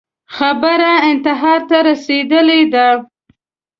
خبره انتحار ته رسېدلې ده